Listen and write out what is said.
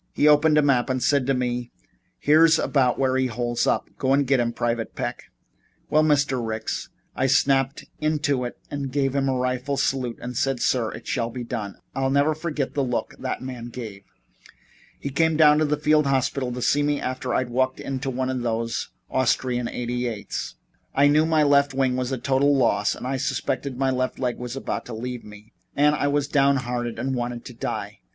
He opened a map and said to me: 'Here's about where he holes up. Go get him, Private Peck.' Well, Mr. Ricks, I snapped into it and gave him a rifle salute, and said, 'Sir, it shall be done' and I'll never forget the look that man gave me. He came down to the field hospital to see me after I'd walked into one of those Austrian 88's. I knew my left wing was a total loss and I suspected my left leg was about to leave me, and I was downhearted and wanted to die.